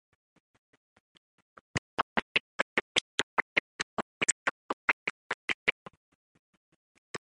Toponomy played a major part in Tolomei's struggle right from the beginning.